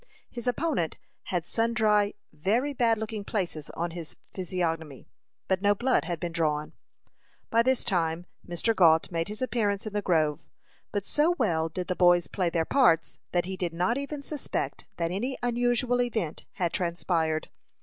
His opponent had sundry very bad looking places on his physiognomy, but no blood had been drawn. By this time Mr. Gault made his appearance in the grove; but so well did the boys play their parts, that he did not even suspect that any unusual event had transpired.